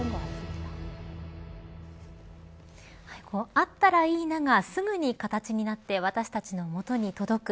あったらいいながすぐに形になって私たちの元に届く。